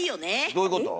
どういうこと？